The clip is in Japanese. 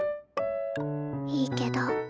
いいけど。